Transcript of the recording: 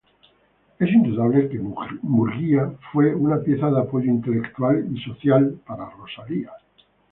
Es indudable que Murguía fue una pieza de apoyo intelectual y social para Rosalía.